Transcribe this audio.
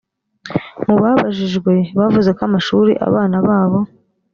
mu babajijwe bavuze ko amashuri abana babo